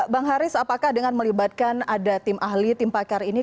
bang haris apakah dengan melibatkan ada tim ahli tim pakar ini